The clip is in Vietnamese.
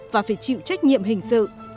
và phải chịu trách nhiệm hình sự